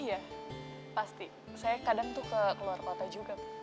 iya pasti saya kadang tuh ke keluarga juga